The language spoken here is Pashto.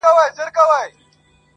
له پردي وطنه ځمه لټوم کور د خپلوانو-